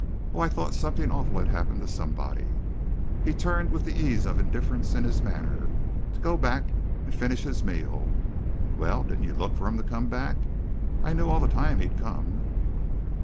"Oh, I thought something awful had happened to somebody." He turned with the ease of indifference in his manner, to go back and finish his meal. "Well, didn't you look for him to come back? I knew all the time he'd come."